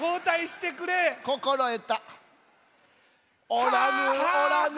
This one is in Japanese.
「おらぬおらぬ」。